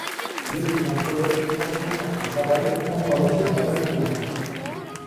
L'écrivain Colette, fascinée par son travail, compte parmi ses premières clientes.